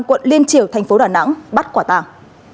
quận liên triều thành phố đà nẵng bắt quả tàng